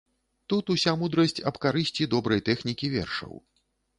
Тут уся мудрасць аб карысці добрай тэхнікі вершаў.